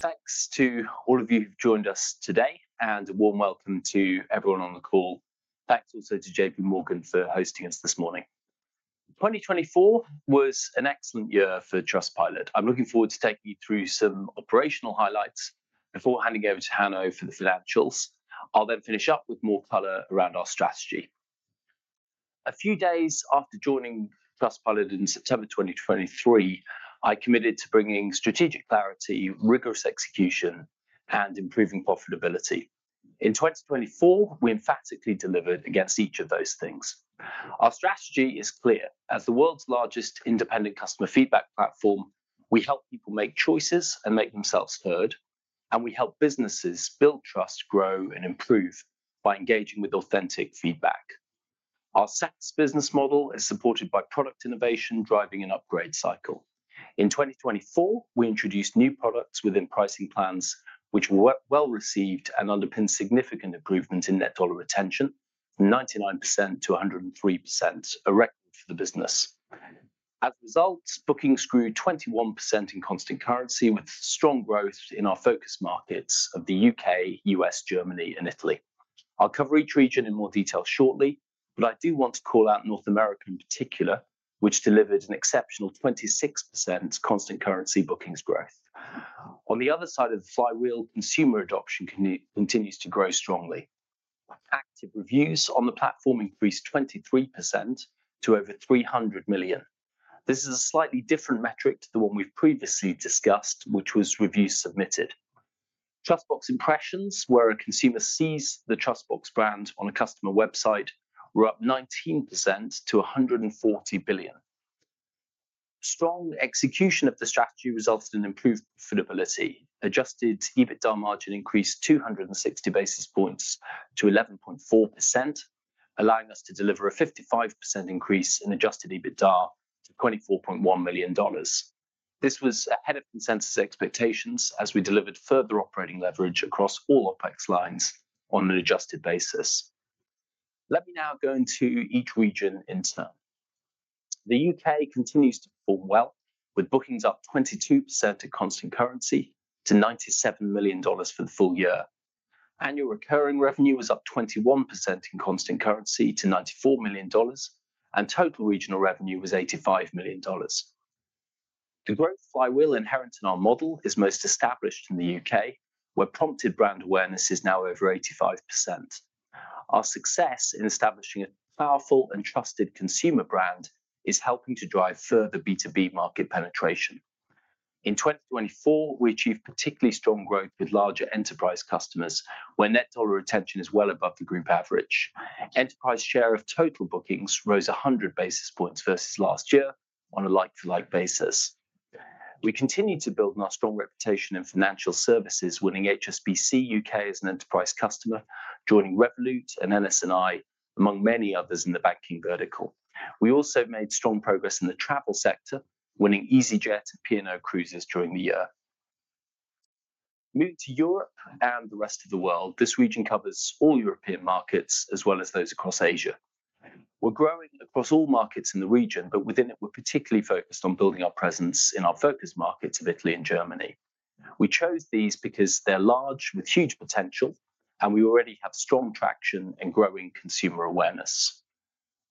Thanks to all of you who've joined us today, and a warm welcome to everyone on the call. Thanks also to JPMorgan for hosting us this morning. 2024 was an excellent year for Trustpilot. I'm looking forward to taking you through some operational highlights before handing over to Hanno for the financials. I'll then finish up with more color around our strategy. A few days after joining Trustpilot in September 2023, I committed to bringing strategic clarity, rigorous execution, and improving profitability. In 2024, we emphatically delivered against each of those things. Our strategy is clear. As the world's largest independent customer feedback platform, we help people make choices and make themselves heard, and we help businesses build trust, grow, and improve by engaging with authentic feedback. Our SaaS business model is supported by product innovation, driving an upgrade cycle. In 2024, we introduced new products within pricing plans, which were well received and underpinned significant improvements in net dollar retention, from 99%-103%, a record for the business. As a result, bookings grew 21% in constant currency, with strong growth in our focus markets of the U.K., U.S., Germany, and Italy. I will cover each region in more detail shortly, but I do want to call out North America in particular, which delivered an exceptional 26% constant currency bookings growth. On the other side of the flywheel, consumer adoption continues to grow strongly. Active reviews on the platform increased 23% to over 300 million. This is a slightly different metric to the one we have previously discussed, which was reviews submitted. impressions, where a consumer sees the TrustBox brand on a customer website, were up 19%-140 billion. Strong execution of the strategy resulted in improved profitability. Adjusted EBITDA margin increased 260 basis points to 11.4%, allowing us to deliver a 55% increase in adjusted EBITDA to $24.1 million. This was ahead of consensus expectations as we delivered further operating leverage across all OPEX lines on an adjusted basis. Let me now go into each region in turn. The U.K. continues to perform well, with bookings up 22% at constant currency to $97 million for the full year. Annual recurring revenue was up 21% in constant currency to $94 million, and total regional revenue was $85 million. The growth flywheel inherent in our model is most established in the U.K., where prompted brand awareness is now over 85%. Our success in establishing a powerful and trusted consumer brand is helping to drive further B2B market penetration. In 2024, we achieved particularly strong growth with larger enterprise customers, where net dollar retention is well above the group average. Enterprise share of total bookings rose 100 basis points versus last year on a like-for-like basis. We continue to build on our strong reputation in financial services, winning HSBC UK as an enterprise customer, joining Revolut and NS&I, among many others in the banking vertical. We also made strong progress in the travel sector, winning easyJet and P&O Cruises during the year. Moving to Europe and the rest of the world, this region covers all European markets as well as those across Asia. We're growing across all markets in the region, but within it, we're particularly focused on building our presence in our focus markets of Italy and Germany. We chose these because they're large, with huge potential, and we already have strong traction and growing consumer awareness.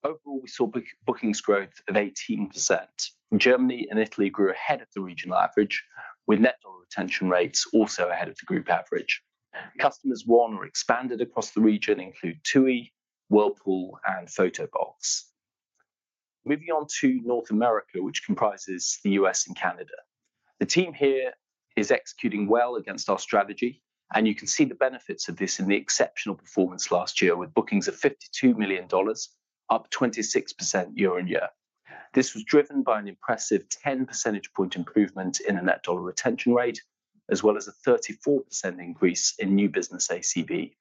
Overall, we saw bookings growth of 18%. Germany and Italy grew ahead of the regional average, with net dollar retention rates also ahead of the group average. Customers won or expanded across the region include TUI, Whirlpool, and Photobox. Moving on to North America, which comprises the U.S. and Canada. The team here is executing well against our strategy, and you can see the benefits of this in the exceptional performance last year, with bookings of $52 million, up 26% year-on-year. This was driven by an impressive 10 percentage point improvement in the net dollar retention rate, as well as a 34% increase in new business ACV.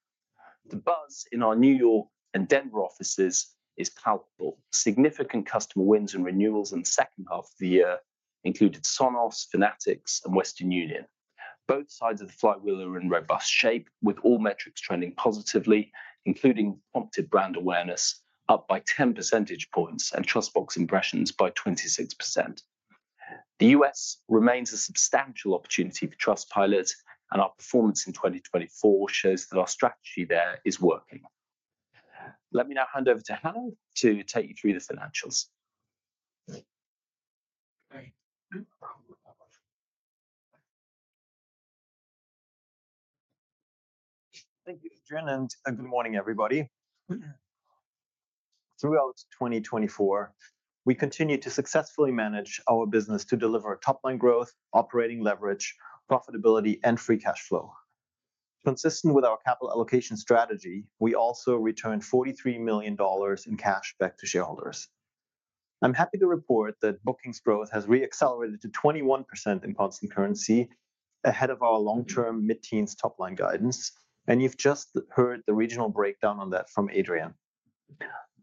The buzz in our New York and Denver offices is palpable. Significant customer wins and renewals in the second half of the year included Sonos, Fanatics, and Western Union. Both sides of the flywheel are in robust shape, with all metrics trending positively, including prompted brand awareness, up by 10 percentage points and TrustBox impressions by 26%. The US remains a substantial opportunity for Trustpilot, and our performance in 2024 shows that our strategy there is working. Let me now hand over to Hanno to take you through the financials. Thank you, Adrian, and good morning, everybody. Throughout 2024, we continue to successfully manage our business to deliver top-line growth, operating leverage, profitability, and free cash flow. Consistent with our capital allocation strategy, we also returned $43 million in cash back to shareholders. I'm happy to report that bookings growth has re-accelerated to 21% in constant currency ahead of our long-term mid-teens top-line guidance, and you've just heard the regional breakdown on that from Adrian.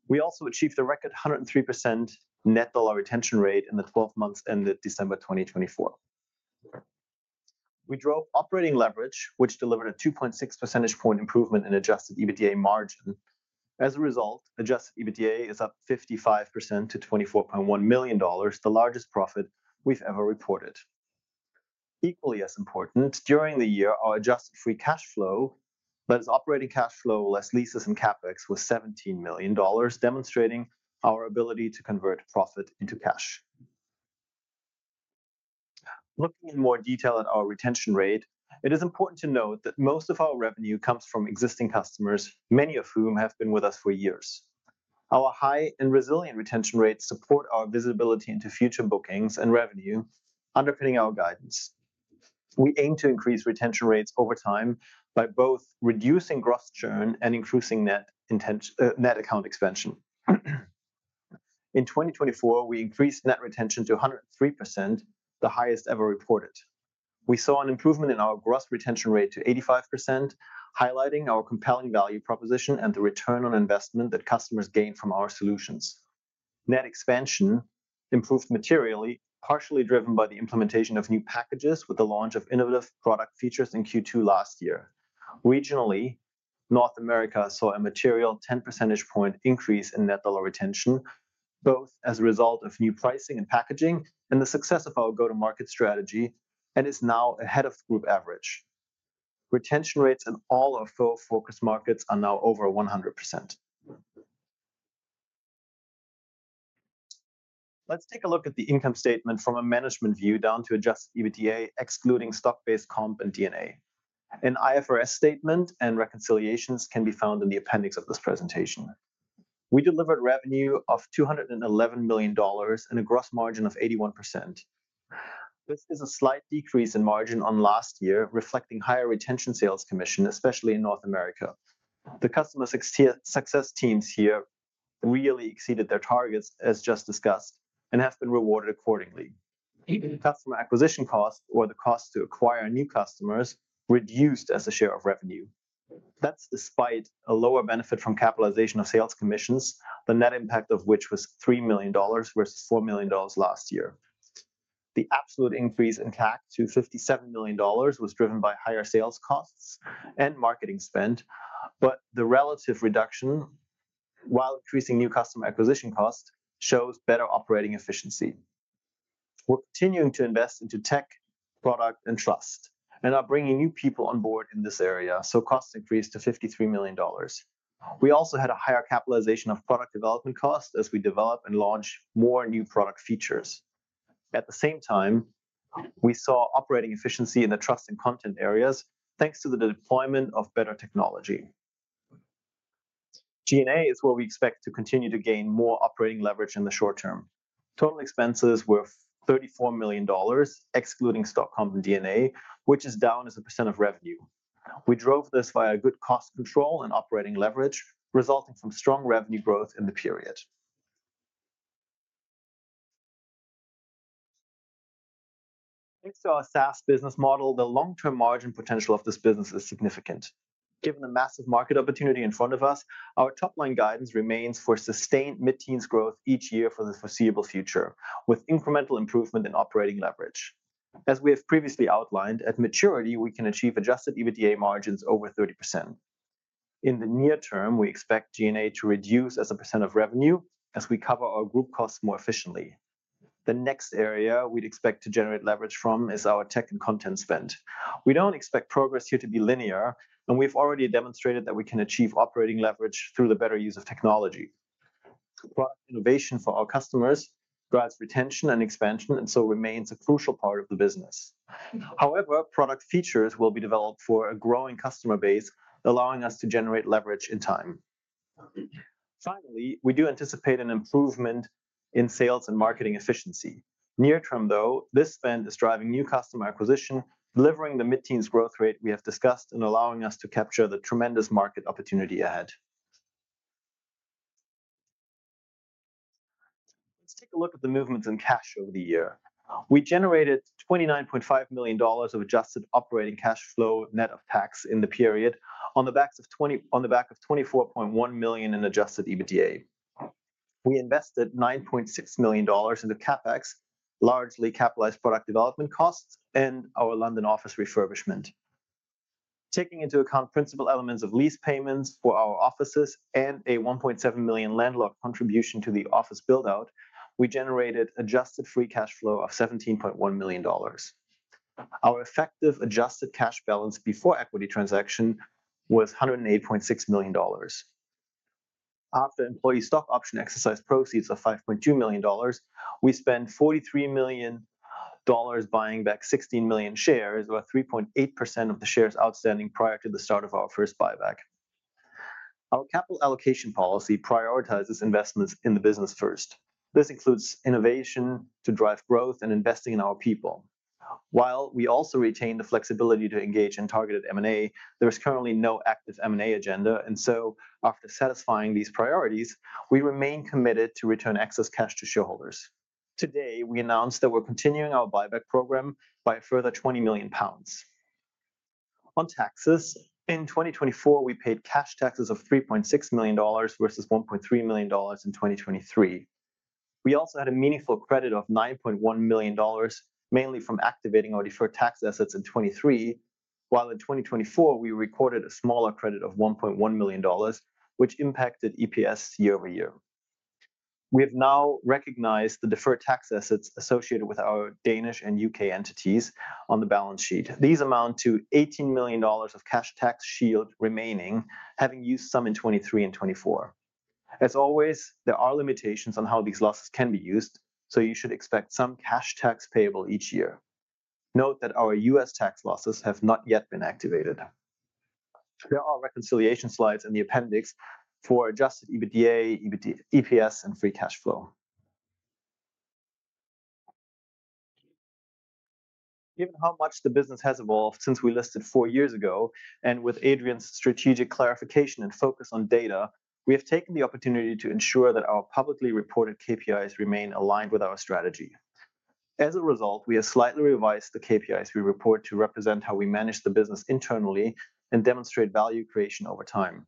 We also achieved a record 103% net dollar retention rate in the 12 months ended December 2024. We drove operating leverage, which delivered a 2.6 percentage point improvement in adjusted EBITDA margin. As a result, adjusted EBITDA is up 55% to $24.1 million, the largest profit we've ever reported. Equally as important, during the year, our adjusted free cash flow led us to operating cash flow less leases and capex was $17 million, demonstrating our ability to convert profit into cash. Looking in more detail at our retention rate, it is important to note that most of our revenue comes from existing customers, many of whom have been with us for years. Our high and resilient retention rates support our visibility into future bookings and revenue, underpinning our guidance. We aim to increase retention rates over time by both reducing gross churn and increasing net account expansion. In 2024, we increased net retention to 103%, the highest ever reported. We saw an improvement in our gross retention rate to 85%, highlighting our compelling value proposition and the return on investment that customers gain from our solutions. Net expansion improved materially, partially driven by the implementation of new packages with the launch of innovative product features in Q2 last year. Regionally, North America saw a material 10 percentage point increase in net dollar retention, both as a result of new pricing and packaging and the success of our go-to-market strategy, and is now ahead of the group average. Retention rates in all our four focus markets are now over 100%. Let's take a look at the income statement from a management view down to adjusted EBITDA, excluding stock-based comp and D&A. An IFRS statement and reconciliations can be found in the appendix of this presentation. We delivered revenue of $211 million and a gross margin of 81%. This is a slight decrease in margin on last year, reflecting higher retention sales commission, especially in North America. The customer success teams here really exceeded their targets, as just discussed, and have been rewarded accordingly. Even customer acquisition costs, or the cost to acquire new customers, reduced as a share of revenue. That is despite a lower benefit from capitalization of sales commissions, the net impact of which was $3 million versus $4 million last year. The absolute increase in CAC to $57 million was driven by higher sales costs and marketing spend, but the relative reduction, while increasing new customer acquisition costs, shows better operating efficiency. We are continuing to invest into tech, product, and trust, and are bringing new people on board in this area, so costs increased to $53 million. We also had a higher capitalization of product development costs as we develop and launch more new product features. At the same time, we saw operating efficiency in the trust and content areas, thanks to the deployment of better technology. G&A is where we expect to continue to gain more operating leverage in the short term. Total expenses were $34 million, excluding stock comp and D&A, which is down as a percent of revenue. We drove this via good cost control and operating leverage, resulting from strong revenue growth in the period. Next to our SaaS business model, the long-term margin potential of this business is significant. Given the massive market opportunity in front of us, our top-line guidance remains for sustained mid-teens growth each year for the foreseeable future, with incremental improvement in operating leverage. As we have previously outlined, at maturity, we can achieve adjusted EBITDA margins over 30%. In the near term, we expect G&A to reduce as a percent of revenue as we cover our group costs more efficiently. The next area we'd expect to generate leverage from is our tech and content spend. We don't expect progress here to be linear, and we've already demonstrated that we can achieve operating leverage through the better use of technology. Product innovation for our customers drives retention and expansion and so remains a crucial part of the business. However, product features will be developed for a growing customer base, allowing us to generate leverage in time. Finally, we do anticipate an improvement in sales and marketing efficiency. Near term, though, this spend is driving new customer acquisition, delivering the mid-teens growth rate we have discussed, and allowing us to capture the tremendous market opportunity ahead. Let's take a look at the movements in cash over the year. We generated $29.5 million of adjusted operating cash flow net of tax in the period on the back of $24.1 million in adjusted EBITDA. We invested $9.6 million into CapEx, largely capitalized product development costs and our London office refurbishment. Taking into account principal elements of lease payments for our offices and a $1.7 million landlord contribution to the office build-out, we generated adjusted free cash flow of $17.1 million. Our effective adjusted cash balance before equity transaction was $108.6 million. After employee stock option exercise proceeds of $5.2 million, we spent $43 million buying back 16 million shares, about 3.8% of the shares outstanding prior to the start of our first buyback. Our capital allocation policy prioritizes investments in the business first. This includes innovation to drive growth and investing in our people. While we also retain the flexibility to engage in targeted M&A, there is currently no active M&A agenda, and so after satisfying these priorities, we remain committed to return excess cash to shareholders. Today, we announced that we're continuing our buyback program by a further 20 million pounds. On taxes, in 2024, we paid cash taxes of $3.6 million versus $1.3 million in 2023. We also had a meaningful credit of $9.1 million, mainly from activating our deferred tax assets in 2023, while in 2024, we recorded a smaller credit of $1.1 million, which impacted EPS year over year. We have now recognized the deferred tax assets associated with our Danish and U.K. entities on the balance sheet. These amount to $18 million of cash tax shield remaining, having used some in 2023 and 2024. As always, there are limitations on how these losses can be used, so you should expect some cash tax payable each year. Note that our US tax losses have not yet been activated. There are reconciliation slides in the appendix for adjusted EBITDA, EPS, and free cash flow. Given how much the business has evolved since we listed four years ago, and with Adrian's strategic clarification and focus on data, we have taken the opportunity to ensure that our publicly reported KPIs remain aligned with our strategy. As a result, we have slightly revised the KPIs we report to represent how we manage the business internally and demonstrate value creation over time.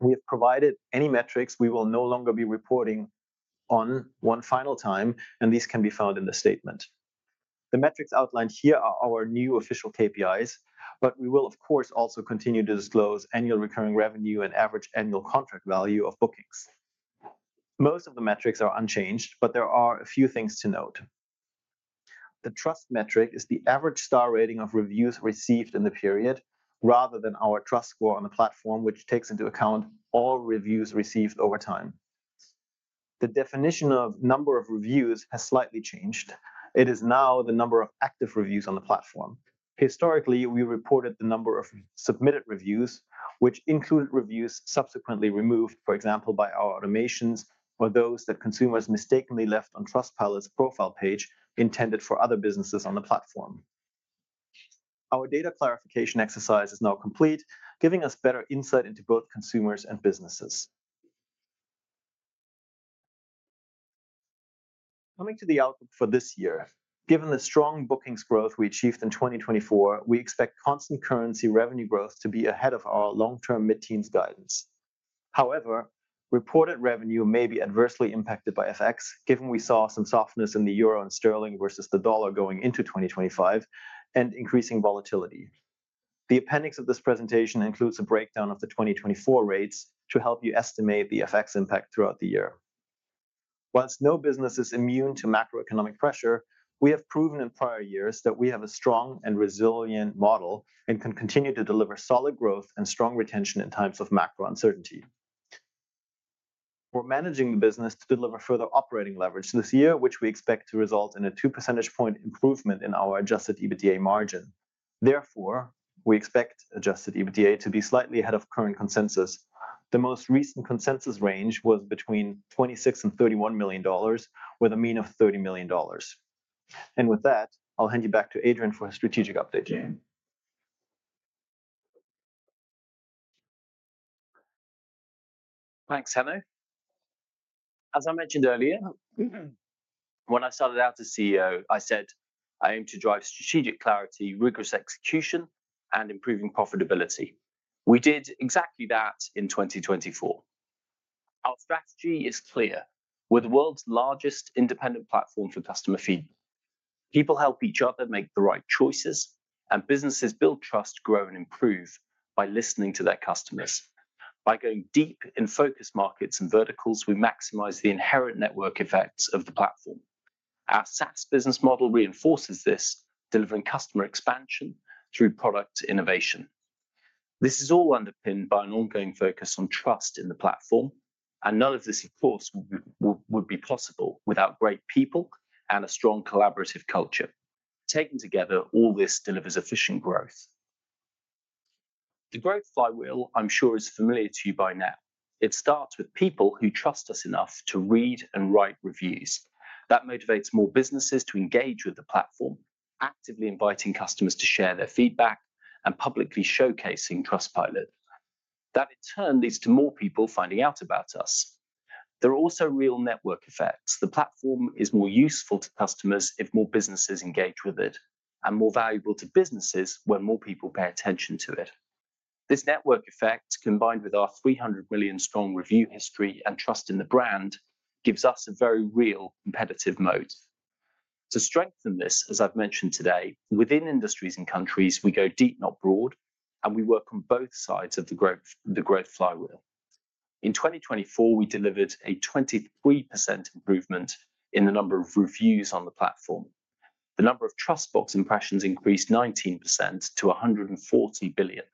We have provided any metrics we will no longer be reporting on one final time, and these can be found in the statement. The metrics outlined here are our new official KPIs, but we will, of course, also continue to disclose annual recurring revenue and average annual contract value of bookings. Most of the metrics are unchanged, but there are a few things to note. The trust metric is the average star rating of reviews received in the period, rather than our TrustScore on the platform, which takes into account all reviews received over time. The definition of number of reviews has slightly changed. It is now the number of active reviews on the platform. Historically, we reported the number of submitted reviews, which included reviews subsequently removed, for example, by our automations or those that consumers mistakenly left on Trustpilot's profile page intended for other businesses on the platform. Our data clarification exercise is now complete, giving us better insight into both consumers and businesses. Coming to the outlook for this year, given the strong bookings growth we achieved in 2024, we expect constant currency revenue growth to be ahead of our long-term mid-teens guidance. However, reported revenue may be adversely impacted by FX, given we saw some softness in the euro and sterling versus the dollar going into 2025, and increasing volatility. The appendix of this presentation includes a breakdown of the 2024 rates to help you estimate the FX impact throughout the year. Whilst no business is immune to macroeconomic pressure, we have proven in prior years that we have a strong and resilient model and can continue to deliver solid growth and strong retention in times of macro uncertainty. We're managing the business to deliver further operating leverage this year, which we expect to result in a 2 percentage point improvement in our adjusted EBITDA margin. Therefore, we expect adjusted EBITDA to be slightly ahead of current consensus. The most recent consensus range was between $26 million and $31 million, with a mean of $30 million. With that, I'll hand you back to Adrian for a strategic update. Thanks, Hanno. As I mentioned earlier, when I started out as CEO, I said, "I aim to drive strategic clarity, rigorous execution, and improving profitability." We did exactly that in 2024. Our strategy is clear: we're the world's largest independent platform for customer feedback. People help each other make the right choices, and businesses build trust, grow, and improve by listening to their customers. By going deep in focus markets and verticals, we maximize the inherent network effects of the platform. Our SaaS business model reinforces this, delivering customer expansion through product innovation. This is all underpinned by an ongoing focus on trust in the platform, and none of this, of course, would be possible without great people and a strong collaborative culture. Taken together, all this delivers efficient growth. The growth flywheel, I'm sure, is familiar to you by now. It starts with people who trust us enough to read and write reviews. That motivates more businesses to engage with the platform, actively inviting customers to share their feedback and publicly showcasing Trustpilot. That, in turn, leads to more people finding out about us. There are also real network effects. The platform is more useful to customers if more businesses engage with it, and more valuable to businesses when more people pay attention to it. This network effect, combined with our 300 million strong review history and trust in the brand, gives us a very real competitive moat. To strengthen this, as I've mentioned today, within industries and countries, we go deep, not broad, and we work on both sides of the growth flywheel. In 2024, we delivered a 23% improvement in the number of reviews on the platform. The number of TrustBox impressions increased 19% to $140 billion.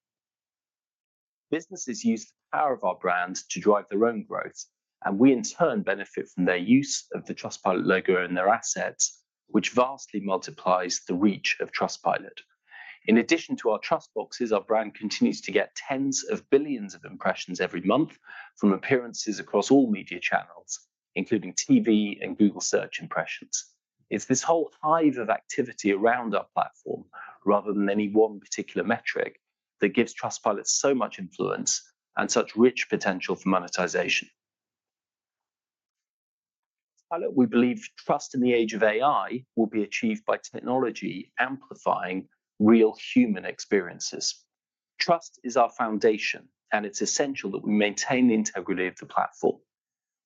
Businesses use the power of our brand to drive their own growth, and we, in turn, benefit from their use of the Trustpilot logo and their assets, which vastly multiplies the reach of Trustpilot. In addition to our TrustBoxes, our brand continues to get tens of billions of impressions every month from appearances across all media channels, including TV and Google Search impressions. It's this whole hive of activity around our platform, rather than any one particular metric, that gives Trustpilot so much influence and such rich potential for monetization. We believe trust in the age of AI will be achieved by technology amplifying real human experiences. Trust is our foundation, and it's essential that we maintain the integrity of the platform.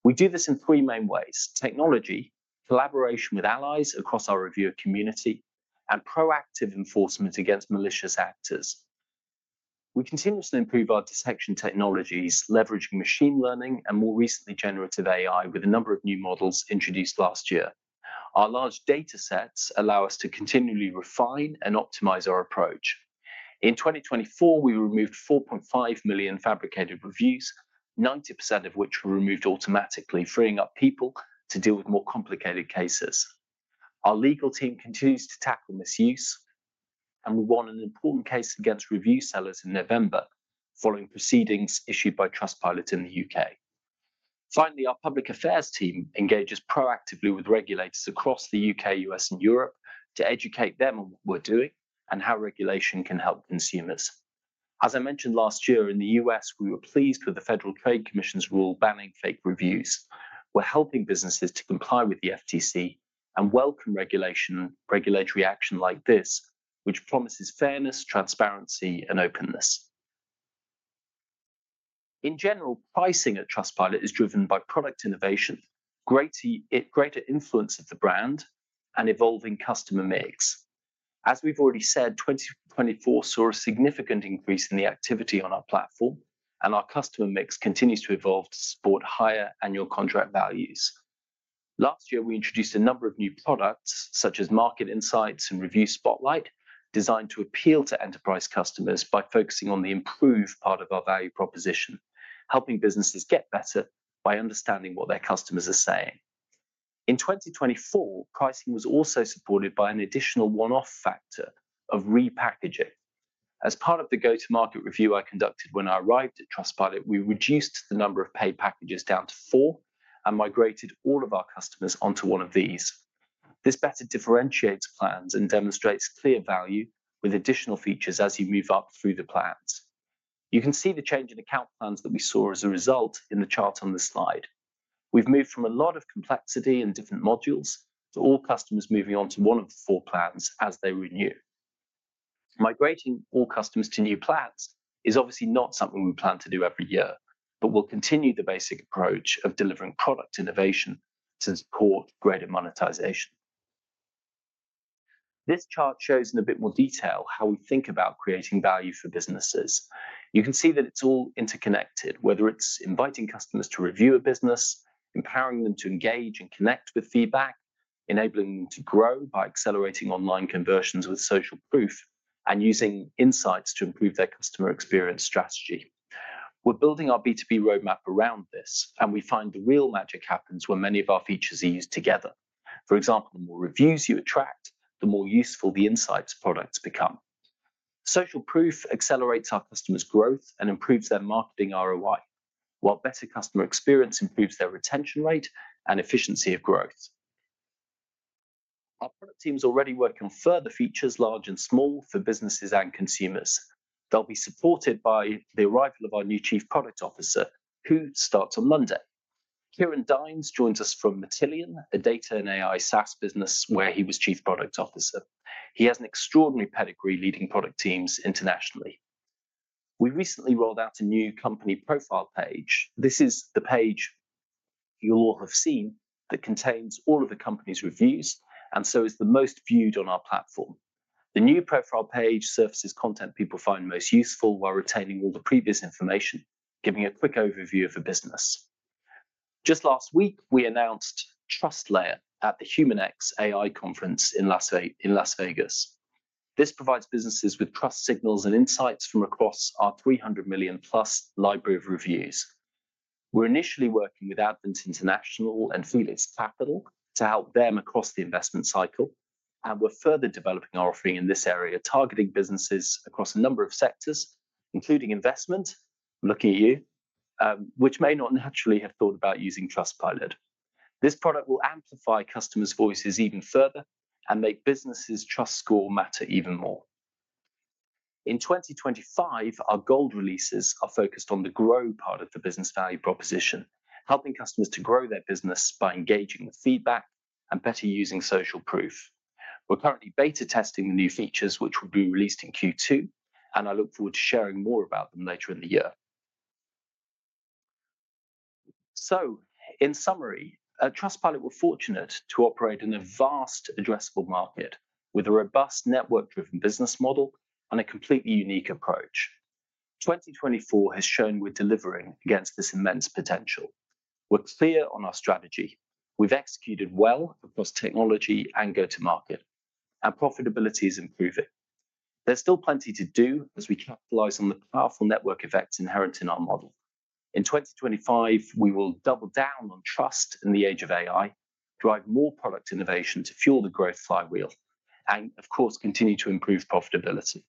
We do this in three main ways: technology, collaboration with allies across our reviewer community, and proactive enforcement against malicious actors. We continuously improve our detection technologies, leveraging machine learning and, more recently, generative AI, with a number of new models introduced last year. Our large data sets allow us to continually refine and optimize our approach. In 2024, we removed 4.5 million fabricated reviews, 90% of which were removed automatically, freeing up people to deal with more complicated cases. Our legal team continues to tackle misuse, and we won an important case against review sellers in November, following proceedings issued by Trustpilot in the U.K. Finally, our public affairs team engages proactively with regulators across the U.K., U.S., and Europe to educate them on what we're doing and how regulation can help consumers. As I mentioned last year, in the U.S., we were pleased with the Federal Trade Commission's rule banning fake reviews. We're helping businesses to comply with the FTC and welcome regulatory action like this, which promises fairness, transparency, and openness. In general, pricing at Trustpilot is driven by product innovation, greater influence of the brand, and evolving customer mix. As we've already said, 2024 saw a significant increase in the activity on our platform, and our customer mix continues to evolve to support higher annual contract values. Last year, we introduced a number of new products, such as Market Insights and Review Spotlight, designed to appeal to enterprise customers by focusing on the improved part of our value proposition, helping businesses get better by understanding what their customers are saying. In 2024, pricing was also supported by an additional one-off factor of repackaging. As part of the go-to-market review I conducted when I arrived at Trustpilot, we reduced the number of paid packages down to four and migrated all of our customers onto one of these. This better differentiates plans and demonstrates clear value with additional features as you move up through the plans. You can see the change in account plans that we saw as a result in the chart on this slide. We've moved from a lot of complexity in different modules to all customers moving on to one of the four plans as they renew. Migrating all customers to new plans is obviously not something we plan to do every year, but we'll continue the basic approach of delivering product innovation to support greater monetization. This chart shows in a bit more detail how we think about creating value for businesses. You can see that it's all interconnected, whether it's inviting customers to review a business, empowering them to engage and connect with feedback, enabling them to grow by accelerating online conversions with social proof, and using insights to improve their customer experience strategy. We're building our B2B roadmap around this, and we find the real magic happens when many of our features are used together. For example, the more reviews you attract, the more useful the insights products become. Social proof accelerates our customers' growth and improves their marketing ROI, while better customer experience improves their retention rate and efficiency of growth. Our product teams are already working on further features, large and small, for businesses and consumers. They'll be supported by the arrival of our new Chief Product Officer, who starts on Monday. Ciaran Dynes joins us from Matillion, a data and AI SaaS business where he was Chief Product Officer. He has an extraordinary pedigree leading product teams internationally. We recently rolled out a new company profile page. This is the page you'll all have seen that contains all of the company's reviews and so is the most viewed on our platform. The new profile page surfaces content people find most useful while retaining all the previous information, giving a quick overview of the business. Just last week, we announced TrustLayer at the HumanX AI Conference in Las Vegas. This provides businesses with trust signals and insights from across our 300 million-plus library of reviews. We're initially working with Advent International and Felix Capital to help them across the investment cycle, and we're further developing our offering in this area, targeting businesses across a number of sectors, including investment, I'm looking at you, which may not naturally have thought about using Trustpilot. This product will amplify customers' voices even further and make businesses' trust score matter even more. In 2025, our gold releases are focused on the grow part of the business value proposition, helping customers to grow their business by engaging with feedback and better using social proof. We're currently beta testing the new features, which will be released in Q2, and I look forward to sharing more about them later in the year. In summary, at Trustpilot, we're fortunate to operate in a vast, addressable market with a robust network-driven business model and a completely unique approach. 2024 has shown we're delivering against this immense potential. We're clear on our strategy. We've executed well across technology and go-to-market, and profitability is improving. There's still plenty to do as we capitalize on the powerful network effects inherent in our model. In 2025, we will double down on trust in the age of AI, drive more product innovation to fuel the growth flywheel, and, of course, continue to improve profitability.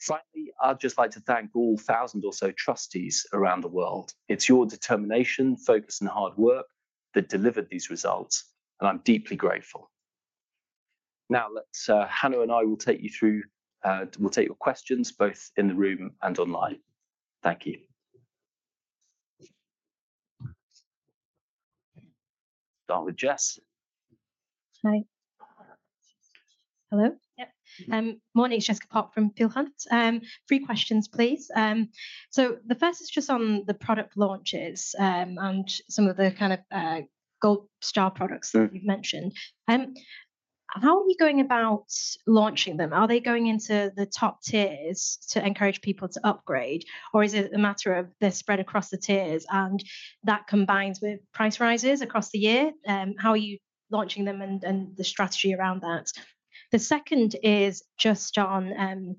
Finally, I'd just like to thank all 1,000 or so Trusties around the world. It's your determination, focus, and hard work that delivered these results, and I'm deeply grateful. Now, Hanno and I will take you through, we'll take your questions both in the room and online. Thank you. Start with Jess. Hi. Hello? Yep. Morning, Jessica Pok from Peel Hunt. Three questions, please. The first is just on the product launches and some of the kind of gold star products that you've mentioned. How are you going about launching them? Are they going into the top tiers to encourage people to upgrade, or is it a matter of they're spread across the tiers and that combines with price rises across the year? How are you launching them and the strategy around that? The second is just on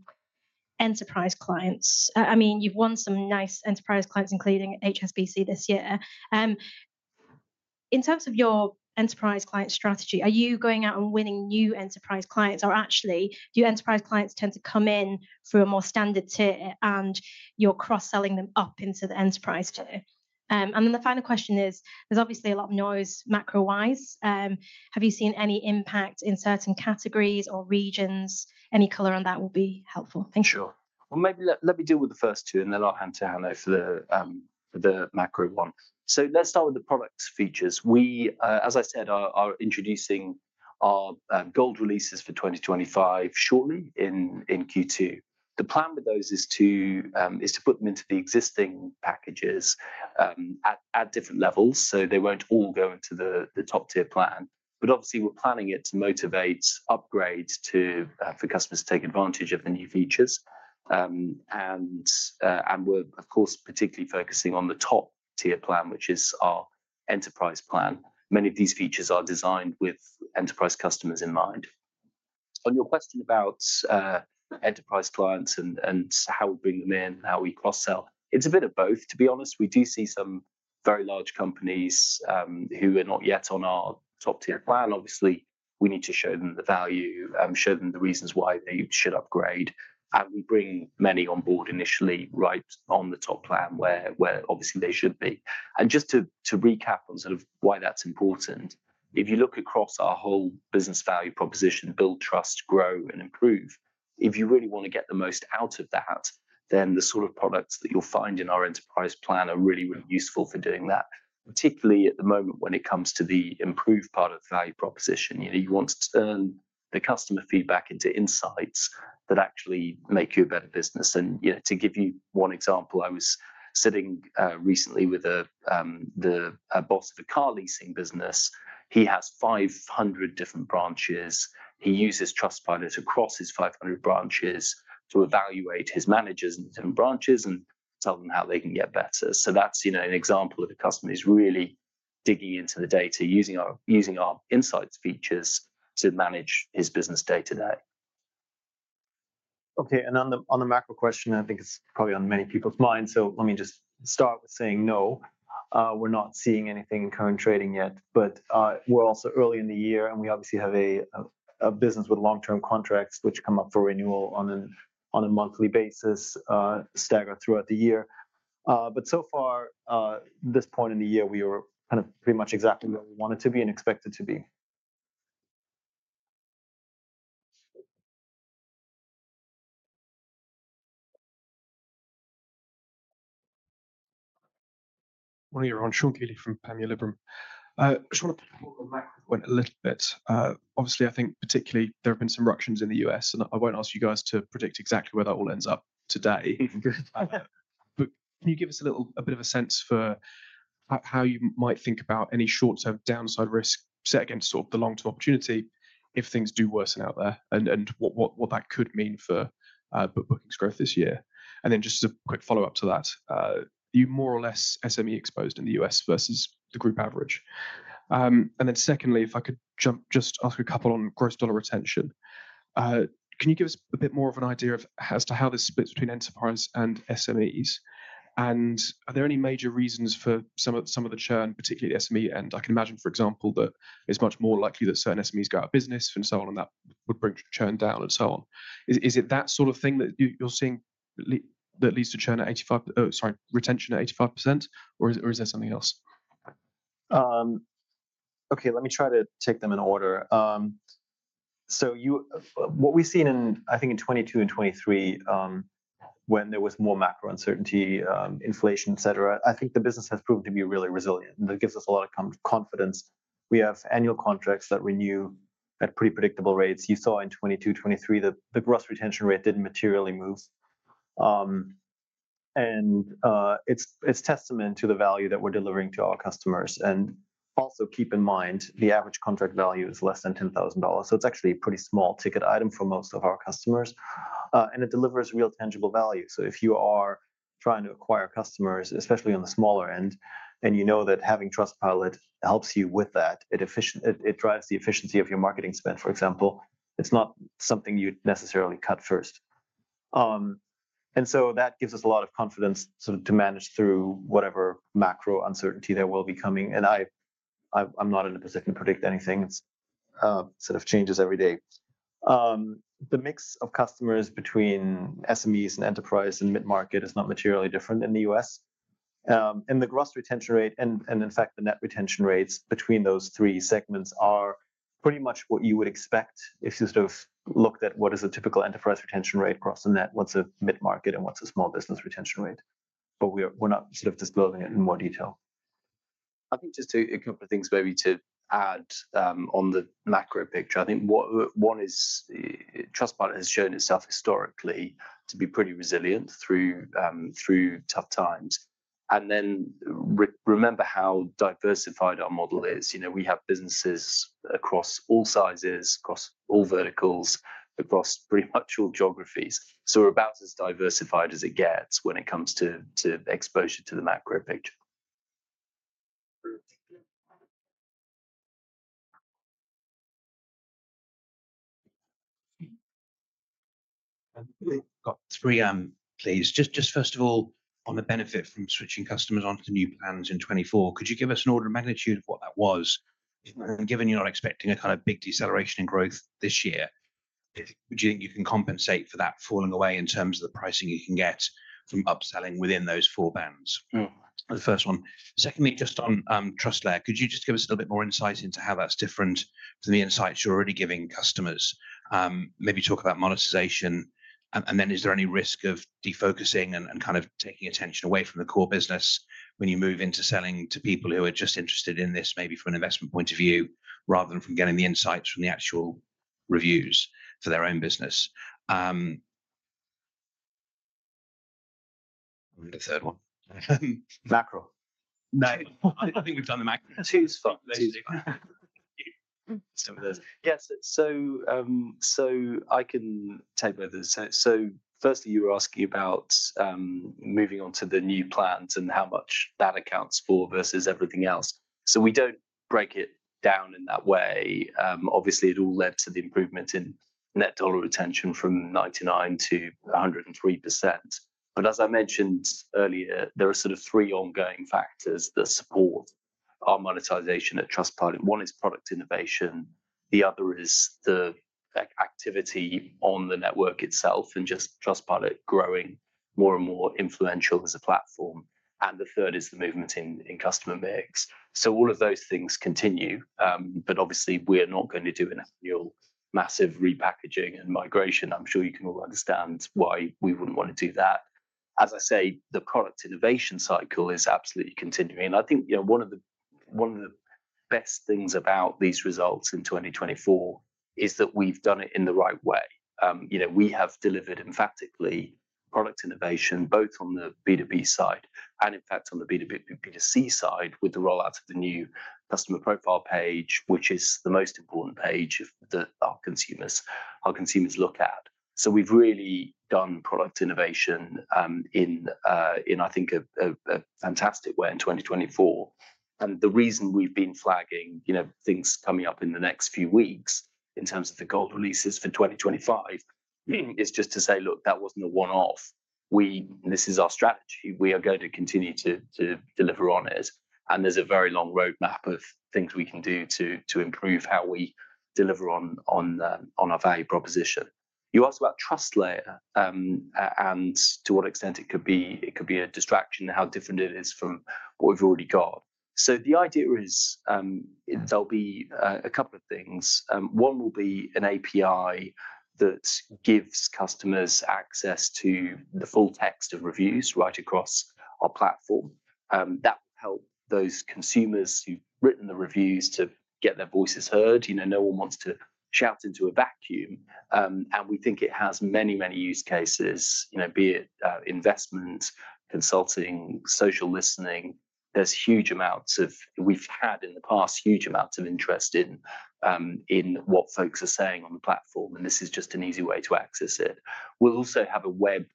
enterprise clients. I mean, you've won some nice enterprise clients, including HSBC UK this year. In terms of your enterprise client strategy, are you going out and winning new enterprise clients, or actually, do enterprise clients tend to come in through a more standard tier and you're cross-selling them up into the enterprise tier? The final question is, there's obviously a lot of noise macro-wise. Have you seen any impact in certain categories or regions? Any color on that will be helpful. Thank you. Sure. Maybe let me deal with the first two, and then I'll hand to Hanno for the macro one. Let's start with the product features. We, as I said, are introducing our gold releases for 2025 shortly in Q2. The plan with those is to put them into the existing packages at different levels so they won't all go into the top-tier plan. Obviously, we're planning it to motivate upgrades for customers to take advantage of the new features. We're, of course, particularly focusing on the top-tier plan, which is our enterprise plan. Many of these features are designed with enterprise customers in mind. On your question about enterprise clients and how we bring them in, how we cross-sell, it's a bit of both. To be honest, we do see some very large companies who are not yet on our top-tier plan. Obviously, we need to show them the value, show them the reasons why they should upgrade. We bring many on board initially right on the top plan where obviously they should be. Just to recap on sort of why that's important, if you look across our whole business value proposition, build trust, grow, and improve, if you really want to get the most out of that, then the sort of products that you'll find in our enterprise plan are really, really useful for doing that, particularly at the moment when it comes to the improved part of the value proposition. You want to turn the customer feedback into insights that actually make you a better business. To give you one example, I was sitting recently with the boss of a car leasing business. He has 500 different branches. He uses Trustpilot across his 500 branches to evaluate his managers in different branches and tell them how they can get better. That's an example of a customer who's really digging into the data, using our insights features to manage his business day-to-day. Okay. On the macro question, I think it's probably on many people's minds, so let me just start with saying no. We're not seeing anything in current trading yet, but we're also early in the year, and we obviously have a business with long-term contracts which come up for renewal on a monthly basis, staggered throughout the year. So far, at this point in the year, we were kind of pretty much exactly where we wanted to be and expected to be. One of your own, Sean Kealy from Panmure Liberum. I just want to pick up on the macro point a little bit. Obviously, I think particularly there have been some ructions in the US, and I won't ask you guys to predict exactly where that all ends up today. Can you give us a bit of a sense for how you might think about any short-term downside risk set against sort of the long-term opportunity if things do worsen out there and what that could mean for bookings growth this year? Just as a quick follow-up to that, are you more or less SME-exposed in the US versus the group average? Secondly, if I could jump, just ask a couple on gross dollar retention. Can you give us a bit more of an idea as to how this splits between enterprise and SMEs? Are there any major reasons for some of the churn, particularly the SME end? I can imagine, for example, that it's much more likely that certain SMEs go out of business and so on, and that would bring churn down and so on. Is it that sort of thing that you're seeing that leads to churn at 85%, sorry, retention at 85%, or is there something else? Okay, let me try to take them in order. What we've seen in, I think, in 2022 and 2023, when there was more macro uncertainty, inflation, etc., I think the business has proven to be really resilient, and that gives us a lot of confidence. We have annual contracts that renew at pretty predictable rates. You saw in 2022, 2023, the gross retention rate did not materially move. It is testament to the value that we're delivering to our customers. Also keep in mind, the average contract value is less than $10,000, so it is actually a pretty small ticket item for most of our customers. It delivers real tangible value. If you are trying to acquire customers, especially on the smaller end, and you know that having Trustpilot helps you with that, it drives the efficiency of your marketing spend, for example. It's not something you'd necessarily cut first. That gives us a lot of confidence to manage through whatever macro uncertainty there will be coming. I'm not in a position to predict anything. It sort of changes every day. The mix of customers between SMEs and enterprise and mid-market is not materially different in the US. The gross retention rate, and in fact, the net retention rates between those three segments are pretty much what you would expect if you sort of looked at what is a typical enterprise retention rate across the net, what's a mid-market, and what's a small business retention rate. We're not sort of disclosing it in more detail. I think just a couple of things maybe to add on the macro picture. I think one is Trustpilot has shown itself historically to be pretty resilient through tough times. Remember how diversified our model is. We have businesses across all sizes, across all verticals, across pretty much all geographies. We are about as diversified as it gets when it comes to exposure to the macro picture. Got three, please. Just first of all, on the benefit from switching customers onto new plans in 2024, could you give us an order of magnitude of what that was? Given you're not expecting a kind of big deceleration in growth this year, do you think you can compensate for that falling away in terms of the pricing you can get from upselling within those four bands? The first one. Secondly, just on TrustLayer, could you just give us a little bit more insight into how that's different from the insights you're already giving customers? Maybe talk about monetization. Is there any risk of defocusing and kind of taking attention away from the core business when you move into selling to people who are just interested in this maybe from an investment point of view rather than from getting the insights from the actual reviews for their own business? The third one. Macro. No. I think we've done the macro. Two's fine. Two's fine. Yes. I can take both of those. Firstly, you were asking about moving on to the new plans and how much that accounts for versus everything else. We do not break it down in that way. Obviously, it all led to the improvement in net dollar retention from 99%-103%. As I mentioned earlier, there are three ongoing factors that support our monetization at Trustpilot. One is product innovation. The other is the activity on the network itself and just Trustpilot growing more and more influential as a platform. The third is the movement in customer mix. All of those things continue, but we are not going to do an annual massive repackaging and migration. I am sure you can all understand why we would not want to do that. As I say, the product innovation cycle is absolutely continuing. I think one of the best things about these results in 2024 is that we've done it in the right way. We have delivered, in fact, product innovation both on the B2B side and, in fact, on the B2B, B2C side with the rollout of the new customer profile page, which is the most important page that our consumers look at. We've really done product innovation in, I think, a fantastic way in 2024. The reason we've been flagging things coming up in the next few weeks in terms of the gold releases for 2025 is just to say, "Look, that wasn't a one-off. This is our strategy. We are going to continue to deliver on it." There's a very long roadmap of things we can do to improve how we deliver on our value proposition. You asked about TrustLayer and to what extent it could be a distraction and how different it is from what we've already got. The idea is there will be a couple of things. One will be an API that gives customers access to the full text of reviews right across our platform. That will help those consumers who've written the reviews to get their voices heard. No one wants to shout into a vacuum. We think it has many, many use cases, be it investment, consulting, social listening. There is huge amounts of, we've had in the past, huge amounts of interest in what folks are saying on the platform, and this is just an easy way to access it. We'll also have a web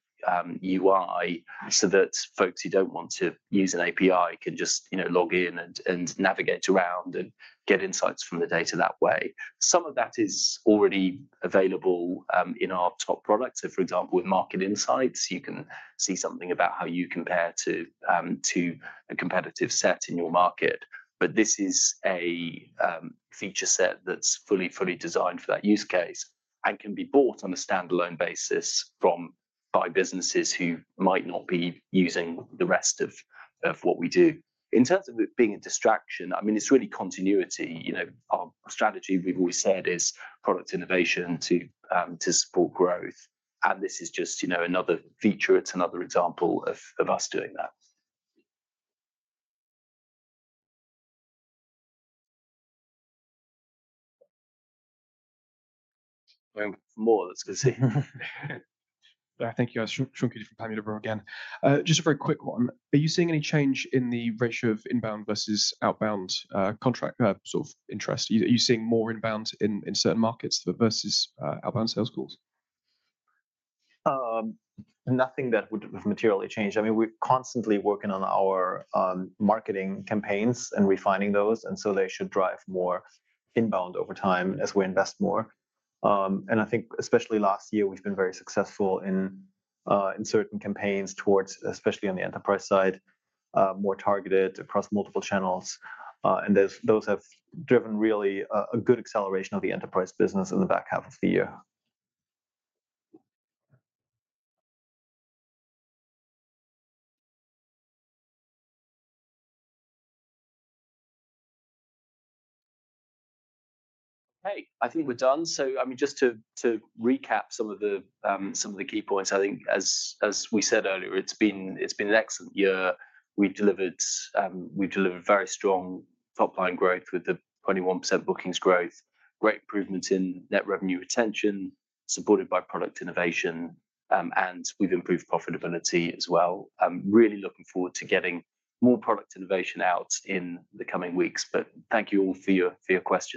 UI so that folks who don't want to use an API can just log in and navigate around and get insights from the data that way. Some of that is already available in our top products. For example, with Market Insights, you can see something about how you compare to a competitive set in your market. This is a feature set that's fully designed for that use case and can be bought on a standalone basis by businesses who might not be using the rest of what we do. In terms of it being a distraction, I mean, it's really continuity. Our strategy, we've always said, is product innovation to support growth. This is just another feature. It's another example of us doing that. I don't know if there's more that's going to say. Thank you, Sean Kealy from Panmure Liberum again. Just a very quick one. Are you seeing any change in the ratio of inbound versus outbound contract sort of interest? Are you seeing more inbound in certain markets versus outbound sales calls? Nothing that would have materially changed. I mean, we're constantly working on our marketing campaigns and refining those, and so they should drive more inbound over time as we invest more. I think, especially last year, we've been very successful in certain campaigns towards, especially on the enterprise side, more targeted across multiple channels. Those have driven really a good acceleration of the enterprise business in the back half of the year. Okay. I think we're done. I mean, just to recap some of the key points, I think, as we said earlier, it's been an excellent year. We've delivered very strong top-line growth with the 21% bookings growth, great improvements in net revenue retention supported by product innovation, and we've improved profitability as well. Really looking forward to getting more product innovation out in the coming weeks. Thank you all for your questions.